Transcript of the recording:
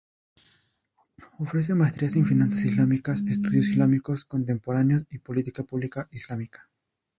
Ofrece maestrías en finanzas islámicas, estudios islámicos contemporáneos y política pública islámica.